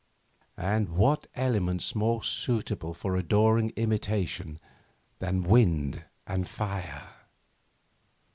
And what elements more suitable for adoring imitation than wind and fire?